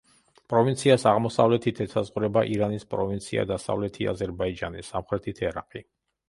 პროვინციას აღმოსავლეთით ესაზღვრება ირანის პროვინცია დასავლეთი აზერბაიჯანი, სამხრეთით ერაყი.